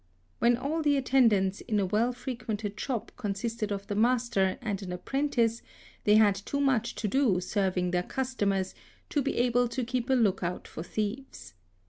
When all the attendants in a well frequented shop consisted of the master and an apprentice they had too much to do serving their customers to be able to keep a look out for thieves.